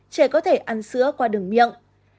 trẻ có thể ăn sữa qua đường miệng